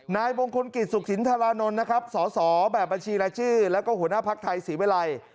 นายมงคลกิจสุขสินธารานนท์นะครับสอสอแบบบัญชีรายชื่อแล้วก็หัวหน้าภักดิ์ไทยศรีวิลัย